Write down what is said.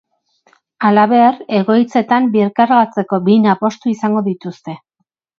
Halaber, egoitzetan birkargatzeko bina postu izango dituzte.